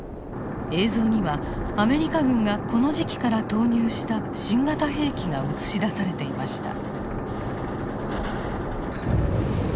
映像にはアメリカ軍がこの時期から投入した新型兵器が映し出されていました。